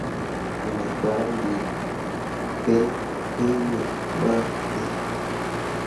Me gah lii gbelsyimmi ma dǝǝ.